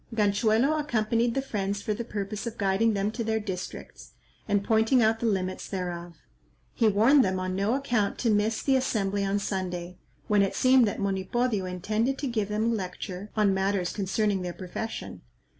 Ganchuelo accompanied the friends for the purpose of guiding them to their districts, and pointing out the limits thereof. He warned them on no account to miss the assembly on Sunday, when it seemed that Monipodio intended to give them a lecture on matters concerning their profession.